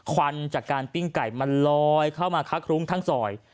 ควันจากการปิ้งไก่มันลอยเข้ามาคะครุ้งทั้งซอย